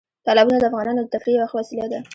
تالابونه د افغانانو د تفریح یوه ښه وسیله ده.